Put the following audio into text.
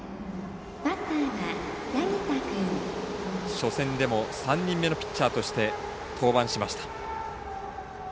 初戦でも３人目のピッチャーとして登板しました。